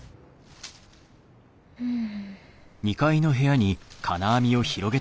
うん。